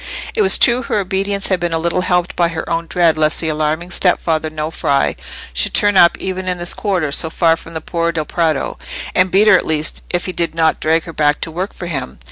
It was true her obedience had been a little helped by her own dread lest the alarming stepfather Nofri should turn up even in this quarter, so far from the Por' del Prato, and beat her at least, if he did not drag her back to work for him.